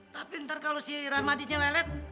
tapi ntar kalau si ramadinya lelet